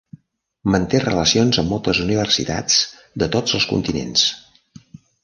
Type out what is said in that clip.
Manté relacions amb moltes universitats de tots els continents.